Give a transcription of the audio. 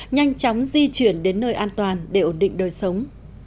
nhanh chóng di chuyển đến nơi an toàn để ổn định đời sống